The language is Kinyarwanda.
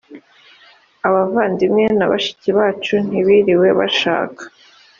abavandimwe na bashiki bacu ntibiriwe bashaka